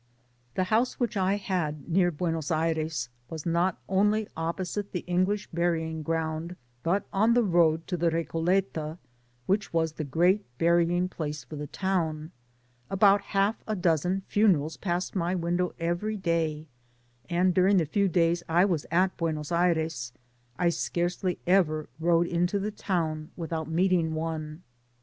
The house which I had near Buenos Aires was not only opposite the English burying ground, but on the road to the Recoleta, which was the great burial place for the town ; about half a dozen fune rals passed my window every day, and during the few days I was *at Buenos Aires, I scarcely ever rode into the town without meeting one.